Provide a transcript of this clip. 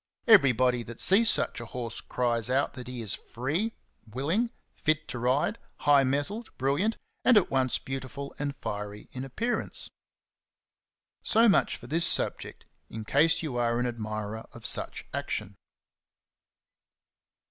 Everybody that sees such a horse cries out that he is free, willing, fit to ride, high mettled, brilliant, and at once beautiful and fiery in appearance. So much for this subject, in case you are an admirer of such action.